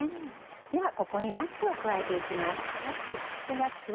ではここにナッツを加えて行きます。